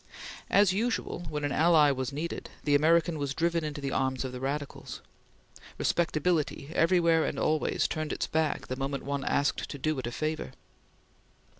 As usual, when an ally was needed, the American was driven into the arms of the radicals. Respectability, everywhere and always, turned its back the moment one asked to do it a favor.